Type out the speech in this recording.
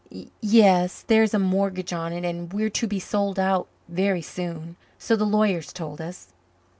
"Yes. There is a mortgage on it and we're to be sold out very soon so the lawyers told us.